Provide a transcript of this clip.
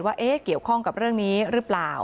ว่าเกี่ยวข้องกับเรื่องนี้หรือเปล่า